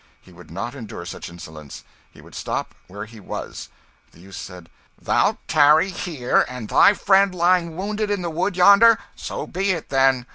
He would not endure such insolence; he would stop where he was. The youth said "Thou'lt tarry here, and thy friend lying wounded in the wood yonder? So be it, then."